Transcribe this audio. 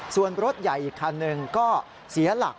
ส่วนรถใหญ่อีกคันหนึ่งก็เสียหลัก